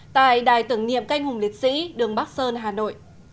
tại đài tưởng niệm canh hùng liệt sĩ đường bắc sơn hà nội